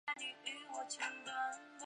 蹇念益自幼随父亲在四川念书。